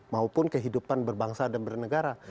maupun kehidupan berbangsa dan bernegara